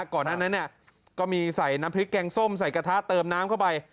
ก่อนนั้นก็มีใส่น้ำพริกแกงส้มใส่กระทะเติมน้ำเข้าไป